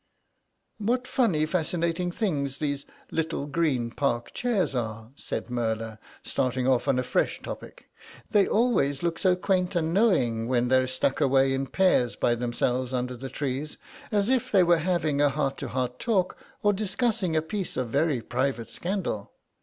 "What funny fascinating things these little green park chairs are," said Merla, starting off on a fresh topic; "they always look so quaint and knowing when they're stuck away in pairs by themselves under the trees, as if they were having a heart to heart talk or discussing a piece of very private scandal.